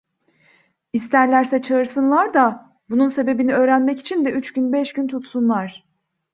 İsterlerse çağırsınlar da, bunun sebebini öğrenmek için de üç gün, beş gün tutsunlar…